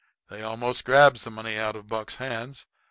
They almost grabs the money out of Buck's hands.